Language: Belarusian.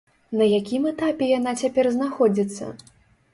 На якім этапе яна цяпер знаходзіцца?